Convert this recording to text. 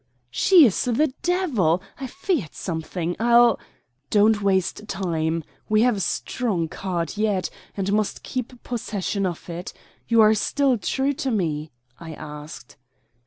"She is the devil. I feared something. I'll " "Don't waste time. We have one strong card yet, and must keep possession of it. You are still true to me?" I asked.